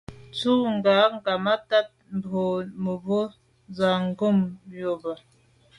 Ndù kà ghammatat boa memo’ nsan se’ ngom yube.